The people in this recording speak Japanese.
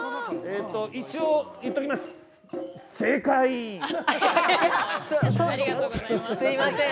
一応、言っておきます。